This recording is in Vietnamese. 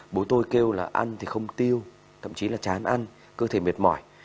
bố tôi kêu là ăn thì không tiêu thậm chí là chán ăn cơ thể mệt mỏi